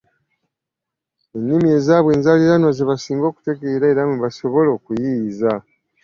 Ennimi ezaabwe enzaaliranwa ze basinga okutegeera era mwe basobola okuyiiyiza.